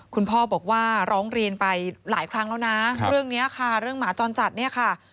คุณพ่อบอกว่าร้องเรียนไปหลายครั้งแล้วนะเรื่องนี้ค่ะเรื่องหมาจรจัดเนี่ยค่ะ